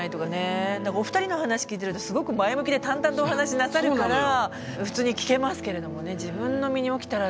だからお二人の話聞いてるとすごく前向きで淡々とお話なさるから普通に聞けますけれどもね。